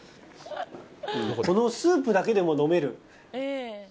このスープだけでも飲める。